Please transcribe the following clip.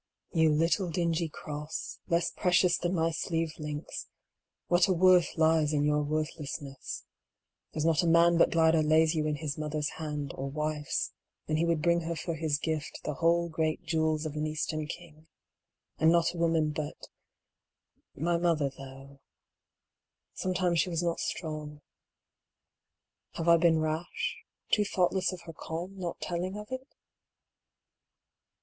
94 COMING HOME. You little dingy cross, less precious than my sleeve links, what a worth lies in your worthlessness : there's not a man but gladder lays you in his mother's hand, or wife's, than he would bring her for his gift the whole great jewels of an eastern king, and not a woman but — My mother, though — sometimes she was not strong — have I been rash, too thoughtless of her calm, not telling of it?